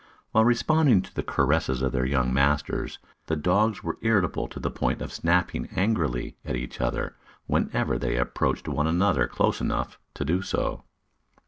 While responding to the caresses of their young masters, the dogs were irritable to the point of snapping angrily at each other whenever they approached one another close enough to do so.